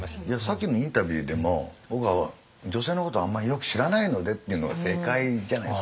さっきのインタビューでも「僕は女性のことはあんまりよく知らないので」っていうのが正解じゃないですかやっぱ。